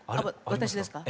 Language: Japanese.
私ですか？